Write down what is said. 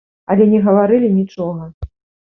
Але не гаварылі нічога.